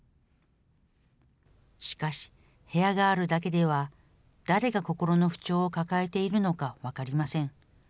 しかし、部屋があるだけでは誰が心の不調を抱えているのか分かりません。